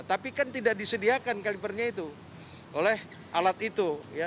tapi kan tidak disediakan calipernya itu oleh alat itu